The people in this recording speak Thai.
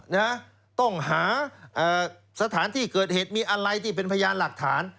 นะฮะต้องหาสถานที่เกิดเหตุมีอะไรที่เป็นพยานหลักฐาน